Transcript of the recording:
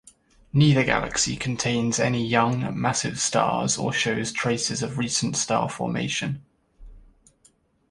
Neither galaxy contains any young, massive stars or shows traces of recent star formation.